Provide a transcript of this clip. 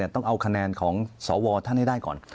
ต้องเอาคะแนนของสวท่านให้ได้ก่อน